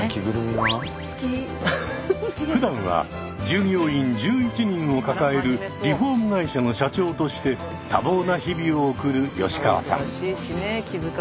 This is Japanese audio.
ふだんは従業員１１人を抱えるリフォーム会社の社長として多忙な日々を送る吉川さん。